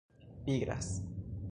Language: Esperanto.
pigras